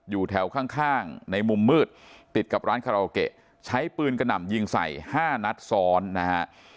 อยู่แถวข้างในมุมมืดติดกับร้านคาราโอเกะใช้ปืนกระหน่ำยิงใส่๕นัดซ้อนนะฮะ